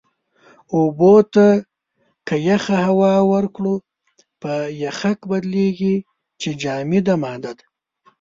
اوبو ته که يخه هوا ورکړو، په يَخٔک بدلېږي چې جامده ماده ده.